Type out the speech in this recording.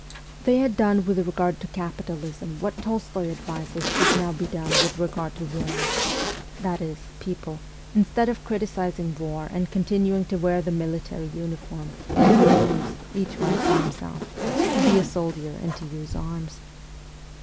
They had done with regard to capitalism what Tolstoy advises should now be done with regard to war that is, that people, instead of criticising war and continuing to wear the military uniform, should refuse, each one for himself, to be a soldier and to use arms.